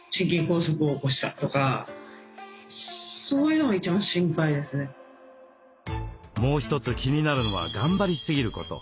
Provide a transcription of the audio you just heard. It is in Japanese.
年が年なんでもう一つ気になるのは頑張りすぎること。